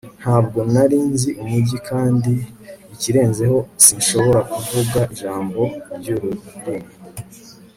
Ntabwo nari nzi umujyi kandi ikirenzeho sinshobora kuvuga ijambo ryururimi